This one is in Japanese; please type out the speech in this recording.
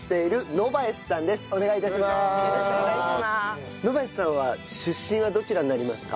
ノヴァエスさんは出身はどちらになりますか？